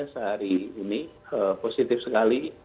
sehari ini positif sekali